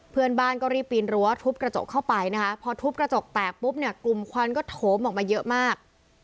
เพื่อนบ้านก็รีบปีนรั้วทุบกระจกเข้าไปนะคะพอทุบกระจกแตกปุ๊บเนี่ยกลุ่มควันก็โถมออกมาเยอะมาก